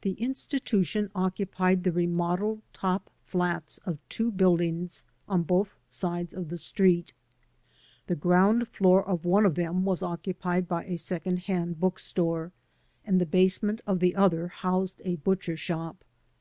The institution occupied the remodeled top flats oi two buildings on both sides of the street. The ground floor of one of them was occupied by a second hand bookstore, and the basement of the other housed a butcher shop.